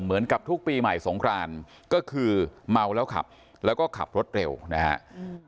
เหมือนกับทุกปีใหม่สงครานก็คือเมาแล้วขับแล้วก็ขับรถเร็วนะครับ